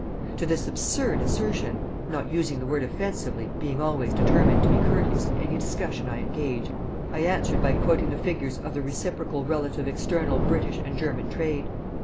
To this absurd assertion not using the word offensively, being always determined to be courteous in any discussion I engage I answered by quoting the figures of the reciprocal relative external British and German trade.